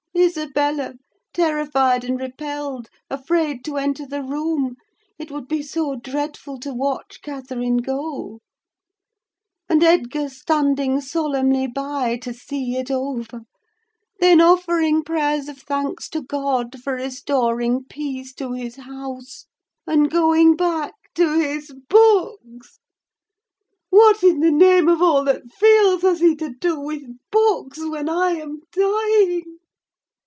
Isabella, terrified and repelled, afraid to enter the room, it would be so dreadful to watch Catherine go. And Edgar standing solemnly by to see it over; then offering prayers of thanks to God for restoring peace to his house, and going back to his books! What in the name of all that feels has he to do with books, when I am dying?"